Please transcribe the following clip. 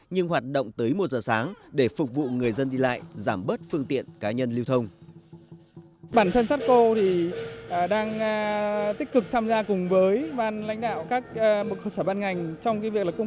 nhưng hoạt động tới một giờ sáng để phục vụ người dân đi lại giảm bớt phương tiện cá nhân lưu thông